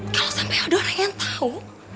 kalau sampai ada orang yang tahu